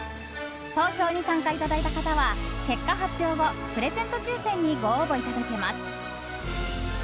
投票に参加いただいた方は結果発表後プレゼント抽選にご応募いただけます。